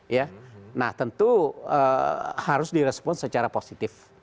ya nah tentu harus direspon secara positif